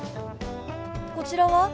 こちらは？